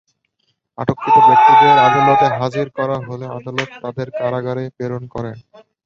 আটককৃত ব্যক্তিদের আদালতে হাজির করা হলে আদালত তাঁদের কারাগারে প্রেরণ করে।